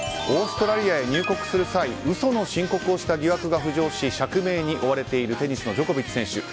オーストラリアへ入国する際嘘の申告をした疑惑が浮上し釈明に追われているテニスのジョコビッチ選手。